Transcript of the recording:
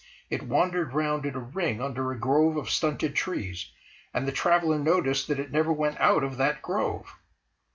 It wandered round in a ring under a grove of stunted trees, and the traveller noticed that it never went out of that grove.